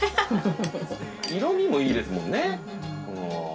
色味もいいですもんね。